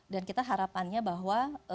dan kita harapannya bahwa